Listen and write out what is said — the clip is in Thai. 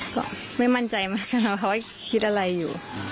ก็ไม่มั่นใจมันกันค่ะเพราะว่าคิดอะไรอยู่